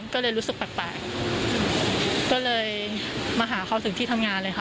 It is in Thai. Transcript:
ก็เลยรู้สึกแปลกก็เลยมาหาเขาถึงที่ทำงานเลยค่ะ